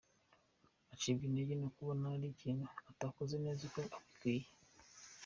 Acibwa intege no kubona hari ikintu atakoze neza uko bikwiye.